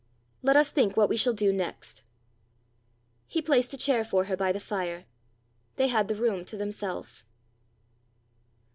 Let us think what we shall do next." He placed a chair for her by the fire. They had the room to themselves.